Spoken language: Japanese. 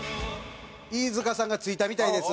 飯塚さんが着いたみたいです。